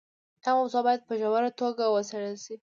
دا موضوع باید په ژوره توګه وڅېړل شي.